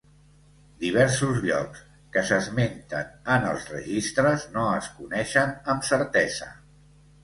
"Diversos llocs" que s'esmenten en els registres no es coneixen amb certesa.